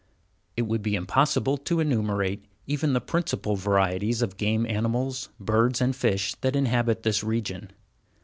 It would be impossible to enumerate even the principal varieties of game animals, birds, and fish that inhabit this region.